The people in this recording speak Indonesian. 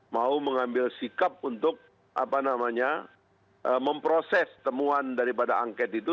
mau mengambil sikap untuk memproses temuan daripada angket itu